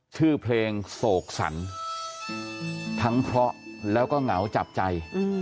ชื่อเพลงโศกสรรทั้งเพราะแล้วก็เหงาจับใจ